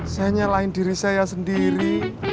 saya nyalahin diri saya sendiri